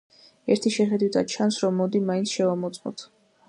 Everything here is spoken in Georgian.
ერთი შეხედვითაც ჩანს, მაგრამ მოდი მაინც შევამოწმოთ.